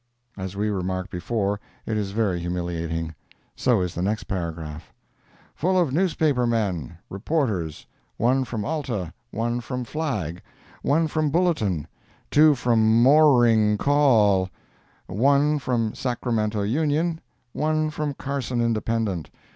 As we remarked before, it is very humiliating. So is the next paragraph: "Full of newsper men—reporters. One from Alta, one from Flag, one from Bulletin, two from MORRING CALL, one from Sacramento Union, one from Carson Independent.